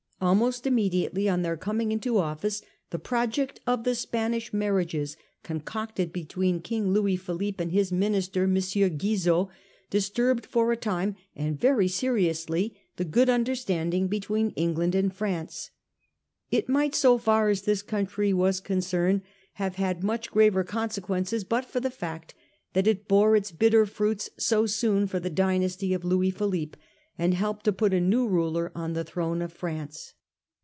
Alm ost immediately on their coming into office, the project of the Spanish Marriages, con cocted between King Louis Philippe and his minister, M. Guizot, disturbed for a time and very seriously the good understanding between England and France. It mi ght so far as this country was concerned have had 428 A HISTORY OF OUR OWN TIMES. ch. xto. much graver consequences, but for the fact that it bore its bitter fruits so soon for the dynasty of Louis Philippe, and helped to put a new ruler on the throne of France.